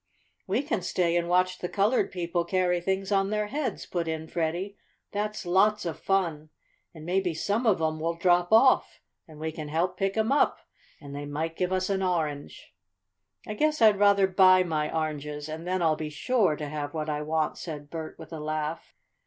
"We can stay and watch the colored people carry things on their heads," put in Freddie. "That's lots of fun, and maybe some of 'em will drop off, and we can help pick 'em up, and they might give us an orange." "I guess I'd rather buy my oranges, and then I'll be sure to have what I want," said Bert with a laugh.